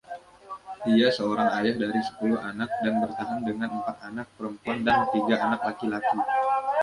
Dia seorang ayah dari sepuluh anak dan bertahan dengan empat anak perempuan dan tiga anak laki-laki.